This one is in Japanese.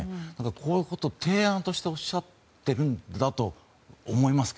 こういうことを提案としておっしゃってるんだと思いますよ。